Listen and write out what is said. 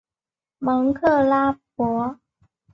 蒙克拉博。